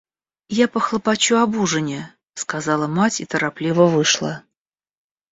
— Я похлопочу об ужине, — сказала мать и торопливо вышла.